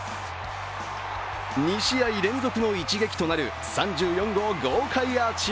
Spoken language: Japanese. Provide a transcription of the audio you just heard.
２試合連続の一撃となる３４号豪快アーチ。